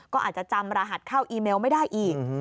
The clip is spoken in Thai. ก็อาจจะจำรหัสเข้าอีเมลไม่ได้อีก